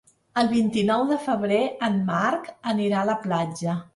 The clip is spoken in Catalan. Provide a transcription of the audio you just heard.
El vint-i-nou de febrer en Marc anirà a la platja.